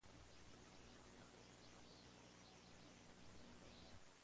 Pero este producto se vuelve ajeno a su productor y lo domina.